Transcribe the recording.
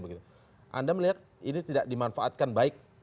anda melihat ini tidak dimanfaatkan baik